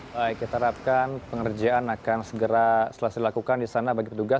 baik kita harapkan pengerjaan akan segera selesai dilakukan di sana bagi petugas